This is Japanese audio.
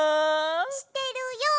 してるよ！